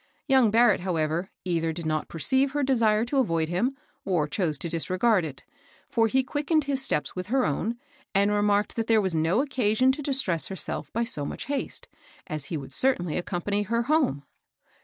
878 ^ MABEL ROSS. Young Barrett, however, either did not perceive h&c desire to avoid him, or chose to disregard it, for he quickened his steps with her own, and remarked tiiat there was no occasion to distress herself hj so much haste, as he would certainly accompany her home.